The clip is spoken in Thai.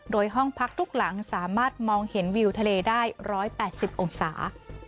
โดยห้องพักทุกหลังสามารถมองเห็นวิวทะเลได้๑๘๐องศา